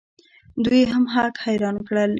دوی هم هک حیران کړل.